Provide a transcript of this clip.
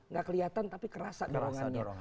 nggak kelihatan tapi kerasa dorongannya